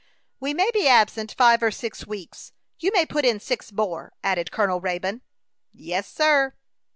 "We may be absent five or six weeks; you may put in six more," added Colonel Raybone. "Yes, sir."